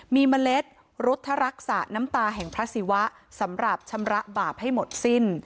มีเมล็ดรุทรักษาน้ำตาแห่งพระศิวะสำหรับชำระบาปให้หมดสิ้น